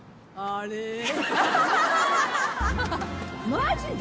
マジで？